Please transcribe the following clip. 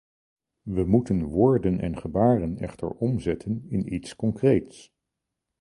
We moeten woorden en gebaren echter omzetten in iets concreets.